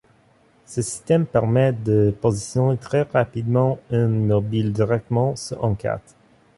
Ce système permet de positionner très rapidement un mobile directement sur une carte.